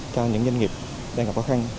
cho những doanh nghiệp đang gặp khó khăn